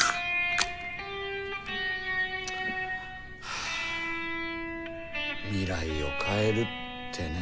はあ未来を変えるってね。